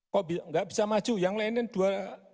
kok enggak bisa maju yang lainnya dua ribu lima puluh